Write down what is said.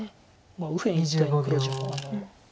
右辺一帯の黒地も。